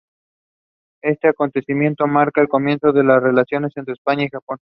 Este acontecimiento marca el comienzo de la relaciones entre España y Japón.